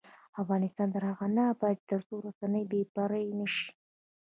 افغانستان تر هغو نه ابادیږي، ترڅو رسنۍ بې پرې نشي.